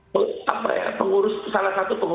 salah satu pengurus pusat di badan pbb di genewa